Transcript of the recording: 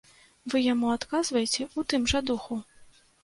Вы яму адказвайце ў тым жа духу.